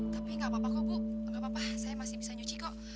tapi gak apa apa kok ibu saya masih bisa cuci kok